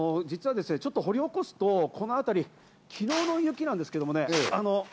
実はちょっと掘り起こすとこのあたり、昨日の雪なんですけどね。